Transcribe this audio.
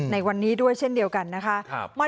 ในวันนี้ด้วยเช่นเดียวกันนะคะ